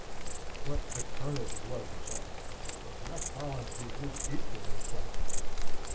But the Colonel's blood was up, and Jack Folinsbee was equally implacable.